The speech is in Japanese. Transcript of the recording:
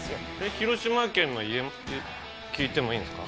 広島県の聞いてもいいですか？